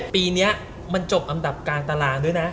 ปีนี้มันจบอันดับกลางตารางด้วยนะ